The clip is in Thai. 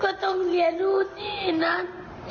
ก็ต้องเรียนรู้ที่นั้น